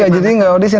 gak jadi gak audition